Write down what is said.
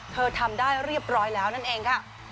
ทำได้เรียบร้อยแล้วนั่นเองค่ะ